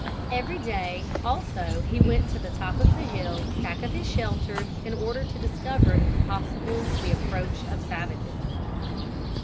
Every day also he went to the top of the hill back of his shelter in order to discover if possible the approach of savages.